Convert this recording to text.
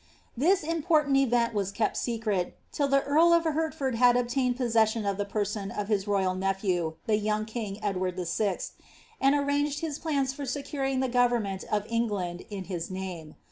This important event was kept secret, till the earl of Hertford had obtained possession of the person of his royal nephew, the young king Edward VI., and arranged his plans for securing the government ol' England in his imme.